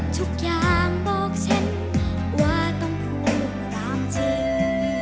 ทุกอย่างบอกฉันว่าต้องพูดความจริง